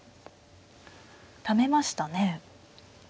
ためましたね。